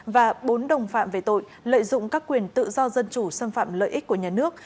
và bốn đồng phạm về tội lợi dụng các quyền tự do dân chủ xâm phạm lợi ích của nhà nước